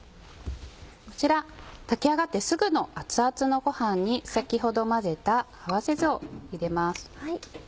こちら炊き上がってすぐの熱々のご飯に先ほど混ぜた合わせ酢を入れます。